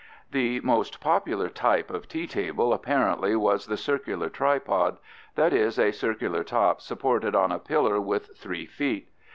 The most popular type of tea table apparently was the circular tripod; that is, a circular top supported on a pillar with three feet.